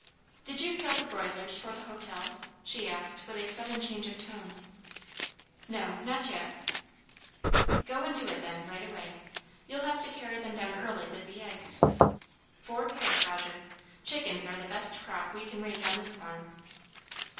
Did you kill the 'broilers' for the hotel?" she asked with a sudden change of tone. "No, not yet." "Go and do it, then, right away. You'll have to carry them down early with the eggs. Four pairs, Roger. Chickens are the best crop we can raise on this farm."